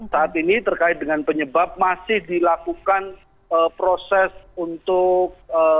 saat ini terkait dengan penyebab masih dilakukan proses untuk